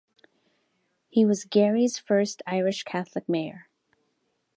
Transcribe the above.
He was Gary's first Irish Catholic mayor.